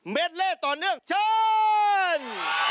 เม็ดเล่ต่อเนื่องเชิญ